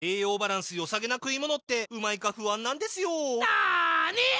なに！？